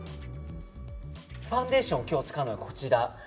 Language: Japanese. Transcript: ファンデーション今日、使うのはこちら。